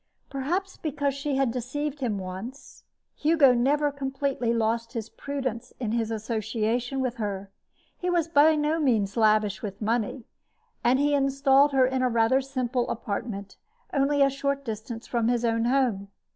Perhaps because she had deceived him once, Hugo never completely lost his prudence in his association with her. He was by no means lavish with money, and he installed her in a rather simple apartment only a short distance from his own home.